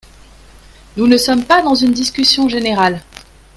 Nous ne sommes pas dans une discussion générale